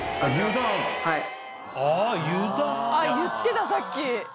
あぁ言ってたさっき！